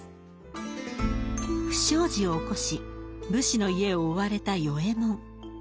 不祥事を起こし武士の家を追われた与右衛門。